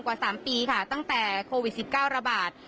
กว่าสามปีค่ะตั้งแต่โควิดสิบเก้าระบาท